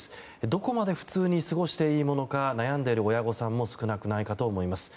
どこまで普通に進んでいいものか悩んでいる親御さんも少なくないかと思います。